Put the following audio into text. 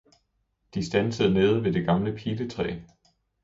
De standsede nede ved det gamle piletræ.